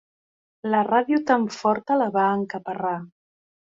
La ràdio tan forta la va encaparrar.